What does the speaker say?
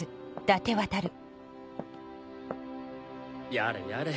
やれやれ。